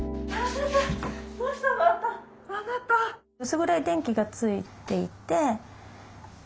薄暗い電気がついていて。